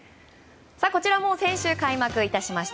こちらも先週開幕いたしました